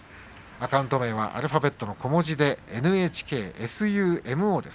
アカウント名はアルファベットの小文字でｎｈｋｓｕｍｏです。